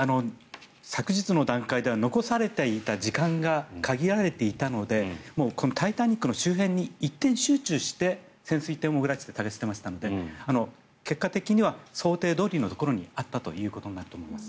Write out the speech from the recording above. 昨日の段階では残されていた時間が限られていたので「タイタニック」の周辺に一点集中して潜水艇を潜らせて探していましたので結果的には想定どおりのところにあったということになると思います。